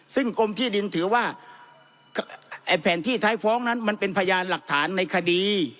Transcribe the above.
ซึ่งกรมที่ดินถือว่าไอ้แผนที่ท้ายฟ้องนั้นมันเป็นพยานหลักฐานในคดี